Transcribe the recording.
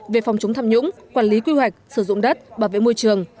về phòng chống tham nhũng quản lý quy hoạch sử dụng đất bảo vệ môi trường